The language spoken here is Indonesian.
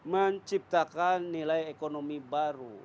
menciptakan nilai ekonomi baru